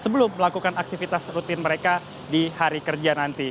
sebelum melakukan aktivitas rutin mereka di hari kerja nanti